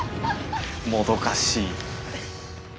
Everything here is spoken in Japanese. もどかしい。